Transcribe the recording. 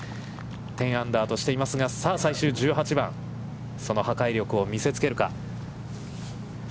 １０アンダーとしていますが、さあ、最終１８番、その破壊力を見せつけるか。